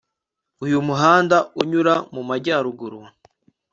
Uyu muhanda unyura mu majyaruguru